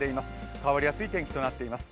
変わりやすい天気となっています。